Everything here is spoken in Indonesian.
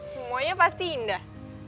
semuanya pasti indah